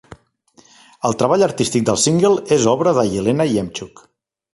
El treball artístic del single és obra de Yelena Yemchuk.